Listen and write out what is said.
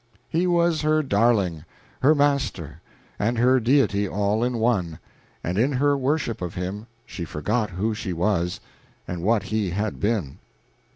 He was her darling, her master, and her deity all in one, and in her worship of him she forgot who she was and what he had been.